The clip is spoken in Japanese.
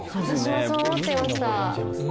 私もそう思ってました。